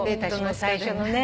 最初のね。